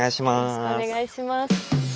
よろしくお願いします。